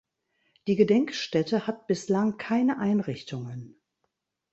Die Gedenkstätte hat bislang keine Einrichtungen.